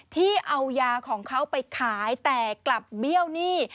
ที่เอายาของเขาไปขายแต่กลับเบี้ยวหนี้